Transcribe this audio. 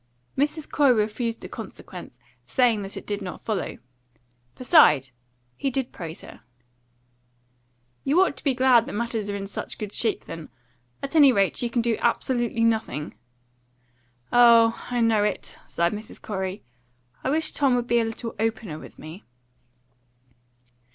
Mrs. Corey refused the consequence, saying that it did not follow. "Besides, he did praise her." "You ought to be glad that matters are in such good shape, then. At any rate, you can do absolutely nothing." "Oh! I know it," sighed Mrs. Corey. "I wish Tom would be a little opener with me."